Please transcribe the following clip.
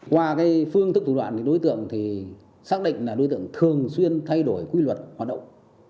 qua phương thức thủ đoạn đối tượng thì xác định là đối tượng thường xuyên thay đổi quy luật hoạt động